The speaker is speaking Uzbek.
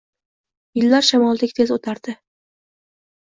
Yillar shamoldek tez o`tardi